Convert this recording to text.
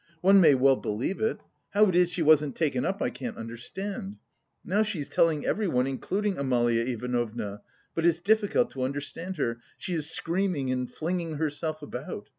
One may well believe it.... How it is she wasn't taken up, I can't understand! Now she is telling everyone, including Amalia Ivanovna; but it's difficult to understand her, she is screaming and flinging herself about....